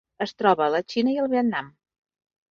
Es troba a la Xina i al Vietnam.